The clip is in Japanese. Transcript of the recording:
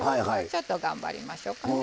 ちょっと頑張りましょうかね。